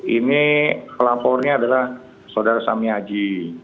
ini pelapornya adalah saudara sami haji